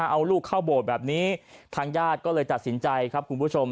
เอาลูกเข้าโบสถ์แบบนี้ทางญาติก็เลยตัดสินใจครับคุณผู้ชม